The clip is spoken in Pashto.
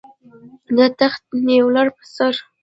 د تخت نیولو پر سر.